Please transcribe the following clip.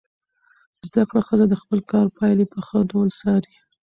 زده کړه ښځه د خپل کار پایلې په ښه ډول څاري.